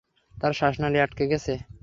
তাঁর শ্বাসনালী আটকে গেছে।